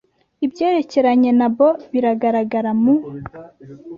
Ibyerekeranye Nabo Bigaragara Mu